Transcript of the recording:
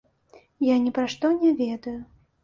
Я ні пра што не ведаю.